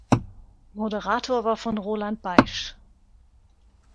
Moderator war von Roland Baisch.